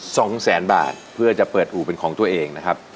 สองแสนบาทเพื่อจะเปิดอู่เป็นของตัวเองนะครับ